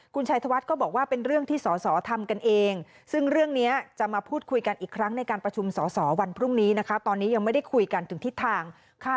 คุณชัยธวัฒน์ก็บอกว่าเป็นเรื่องที่ส่อทำกันเอง